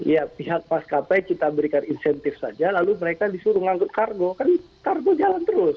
ya pihak maskapai kita berikan insentif saja lalu mereka disuruh ngangkut kargo kan kargo jalan terus